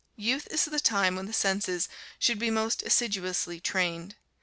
Youth is the time when the senses should be most assiduously trained.